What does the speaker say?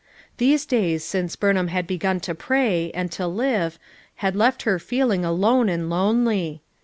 These days since Burn ham had begun to pray, and to live, had left her feeling alone and lonely.